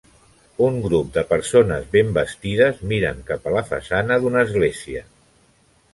Un grup de persones ben vestides miren cap a la façana d'una església.